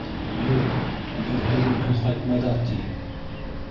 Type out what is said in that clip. — Юҡ, берһегөнһөҙ ҡайтмайҙар, ти.